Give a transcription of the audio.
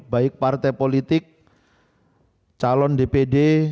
baik partai politik calon dpd